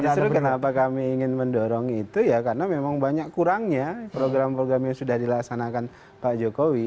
justru kenapa kami ingin mendorong itu ya karena memang banyak kurangnya program program yang sudah dilaksanakan pak jokowi